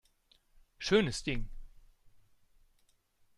Schönes Ding!